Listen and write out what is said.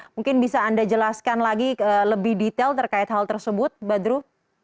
mungkin bisa anda jelaskan lagi lebih detail terkait hal tersebut badru